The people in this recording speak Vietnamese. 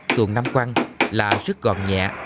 xuồng nam quang là rất gọn nhẹ